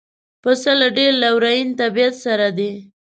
پسه له ډېر لورین طبیعت سره دی.